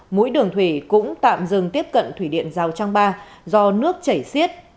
mũi đường thủy cũng tạm dừng tiếp cận thủy điện giao trang ba do nước chảy xiết